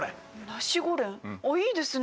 ナシゴレンいいですね。